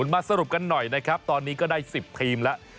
มาสรุปกันหน่อยนะครับตอนนี้ก็ได้๑๐ทีมแล้ว